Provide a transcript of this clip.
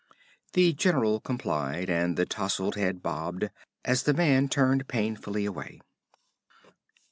The general complied, and the tousled head bobbed, as the man turned painfully away.